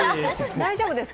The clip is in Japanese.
大丈夫ですか？